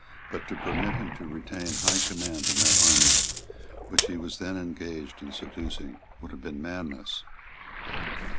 But to permit him to retain high command in that army which he was then engaged in seducing would have been madness.